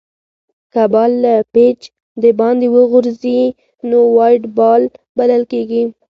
که بال له پيچ دباندي وغورځي؛ نو وایډ بال بلل کیږي.